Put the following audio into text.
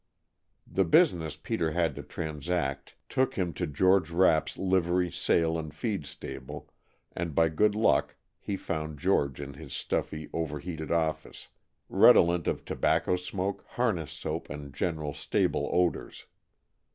The business Peter had to transact took him to George Rapp's Livery, Sale and Feed Stable, and by good luck he found George in his stuffy, over heated office, redolent of tobacco smoke, harness soap and general stable odors.